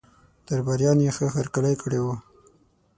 درباریانو یې ښه هرکلی کړی وو.